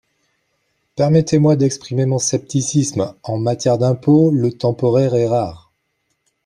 Permettez-moi d’exprimer mon scepticisme, en matière d’impôt, le temporaire est rare.